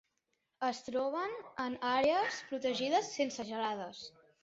Es troben en àrees protegides, sense gelades.